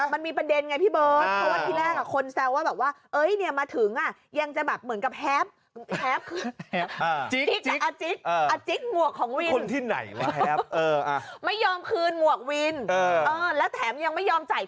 มันมีประเด็นไงพี่เบิร์ดเพราะว่าที่แรกอะคนแซวว่าแบบว่า